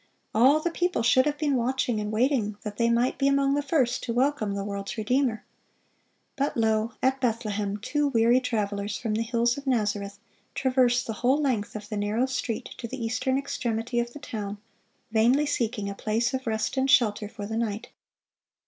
All the people should have been watching and waiting that they might be among the first to welcome the world's Redeemer. But lo, at Bethlehem two weary travelers from the hills of Nazareth traverse the whole length of the narrow street to the eastern extremity of the town, vainly seeking a place of rest and shelter for the night.